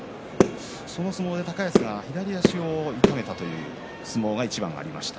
その相撲で高安が左足を痛めたという相撲が一番ありました。